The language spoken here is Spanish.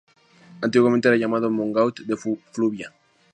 Antiguamente era llamado "Montagut de Fluviá".